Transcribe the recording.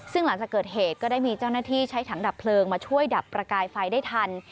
ซึ่งหลังจากเกิดเหตุก็ได้มีเจ้าหน้าที่ใช้ถังดับเพลิงมาช่วยดับประกายไฟได้ทัน